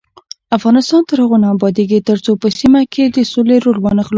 افغانستان تر هغو نه ابادیږي، ترڅو په سیمه کې د سولې رول وانخلو.